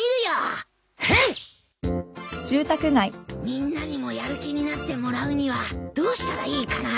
みんなにもやる気になってもらうにはどうしたらいいかな？